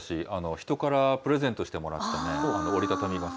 人からプレゼントしてもらったね、折り畳み傘。